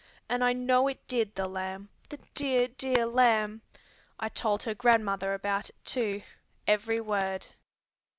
And I know it did, the lamb, the dear, dear lamb! I told her grandmother about it too, every word.